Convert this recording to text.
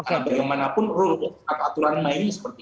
karena bagaimanapun aturan lainnya seperti ini